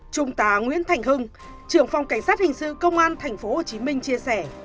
trung tá nguyễn thành hưng trưởng phòng cảnh sát hình sự công an tp hcm chia sẻ